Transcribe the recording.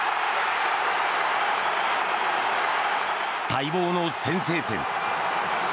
待望の先制点。